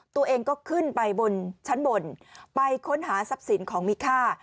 ตัวเองก็ขึ้นไปบนชั้นบนไปค้นหาทรัพย์สินของมีค่า